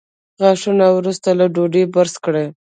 غاښونه وروسته له ډوډۍ برس کړئ